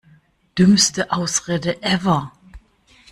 Dümmste Ausrede ever!